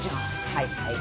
はいはい。